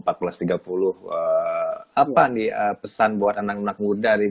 apa pesan buat anak anak muda